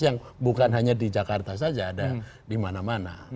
yang bukan hanya di jakarta saja ada dimana mana